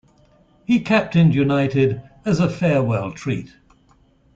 He captained United as a farewell treat.